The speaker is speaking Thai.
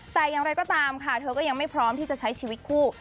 แต่อย่างไรก็ตามค่ะเธอก็ยังไม่พร้อมที่จะใช้ชีวิตคู่